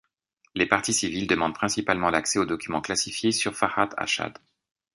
Les parties civiles demandent principalement l'accès aux documents classifiés sur Farhat Hached.